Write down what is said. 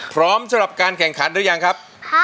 สำหรับการแข่งขันหรือยังครับ